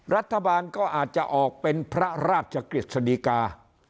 รัฐบาลก็อาจจะออกเป็นพระราชกฤษฎีกา